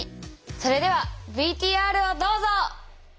それではＶＴＲをどうぞ！